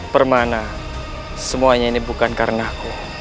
permana semuanya ini bukan karena aku